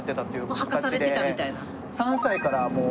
履かされてたみたいな。